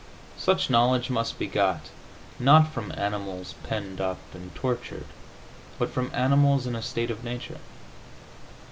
Such knowledge must be got, not from animals penned up and tortured, but from animals in a state of nature.